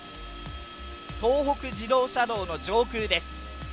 東北自動車道の上空です。